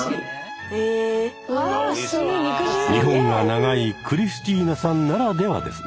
日本が長いクリスチーナさんならではですね。